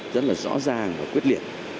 rất là rõ ràng và quyết liệt